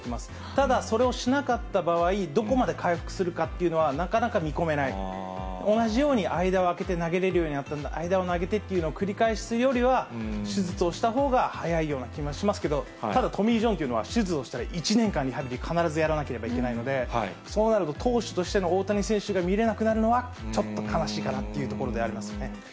ただ、それをしなかった場合、どこまで回復するかっていうのは、なかなか見込めない、同じように間をあけて投げれるようになった、間をあけてっていうのを繰り返すよりは、手術をしたほうが早いような気もしますけど、ただ、トミー・ジョンというのは、手術をしたら、１年間、リハビリ必ずやらなきゃいけないので、そうなると、投手としての大谷選手が見れなくなるのは、ちょっと悲しいかなというところではありますよね。